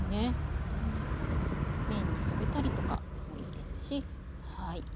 うどんに麺に添えたりとかもいいですしはい。